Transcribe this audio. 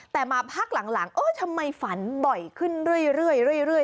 แต่มาพักหลังเออทำไมฝันบ่อยขึ้นเรื่อย